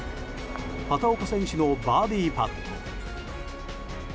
畑岡選手のバーディーパット。